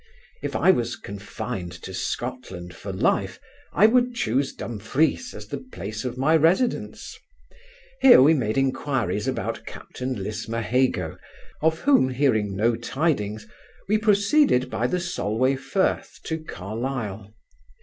If I was confined to Scotland for life, I would chuse Dumfries as the place of my residence. Here we made enquiries about captain Lismahago, of whom hearing no tidings, we proceeded by the Solway Frith, to Carlisle.